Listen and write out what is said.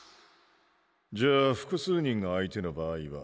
じゃあ複数人が相手の場合は？